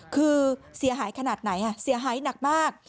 คือเสียหายขนาดไหนเสียหายหนักมาก